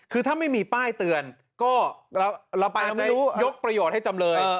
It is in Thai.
คือถ้าไม่มีป้ายเตือนก็เราอาจจะยกประโยชน์ให้จำเลย